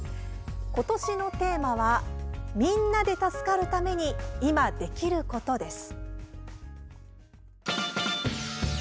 ことしのテーマは「みんなで助かるためにいま、できること」です。